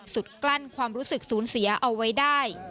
กลั้นความรู้สึกสูญเสียเอาไว้ได้